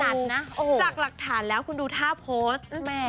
แต่ที่ฉันดูจากหลักฐานแล้วคุณดูท่าโพสต์